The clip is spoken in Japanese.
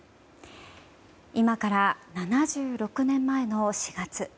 今から７６年前の４月。